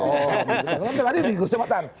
oh nanti lagi di kesempatan